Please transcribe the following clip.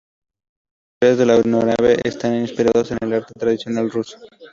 Los interiores de la aeronave están inspirados en el arte tradicional ruso.